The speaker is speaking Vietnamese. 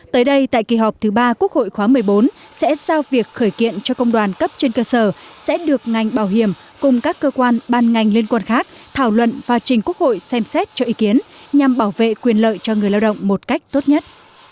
tới đây tại kỳ họp thứ ba quốc hội khóa một mươi bốn sẽ giao việc khởi kiện cho công đoàn cấp trên cơ sở sẽ được ngành bảo hiểm cùng các cơ quan ban ngành liên quan khác thảo luận và trình quốc hội xem xét cho ý kiến nhằm bảo vệ quyền lợi cho người lao động một cách tốt nhất